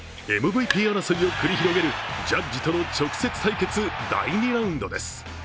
ＭＶＰ争いを繰り広げるジャッジとの直接対決第２ラウンドです。